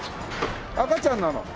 赤ちゃんなの？